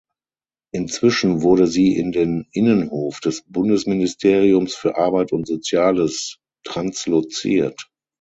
Inzwischen wurde sie in den Innenhof des Bundesministeriums für Arbeit und Soziales transloziert.